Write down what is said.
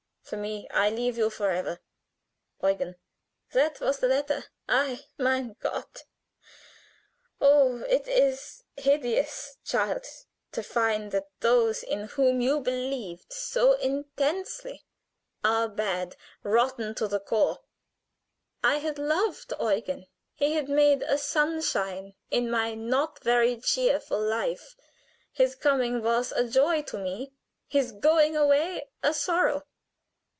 For me I leave you forever. "'EUGEN.' "That was the letter. Ei! mein Gott! Oh, it is hideous, child, to find that those in whom you believed so intensely are bad rotten to the core. I had loved Eugen, he had made a sunshine in my not very cheerful life. His coming was a joy to me, his going away a sorrow.